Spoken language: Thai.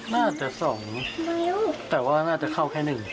น่าจะ๒แต่ว่างานาจะเข้ากัน๑